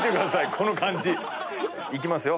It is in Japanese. この感じ。いきますよ。